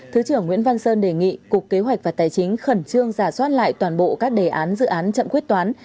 thứ trưởng nguyễn văn sơn đề nghị cục kế hoạch và tài chính khẩn trương giả soát lại toàn bộ các đề án dự án chậm quyết toán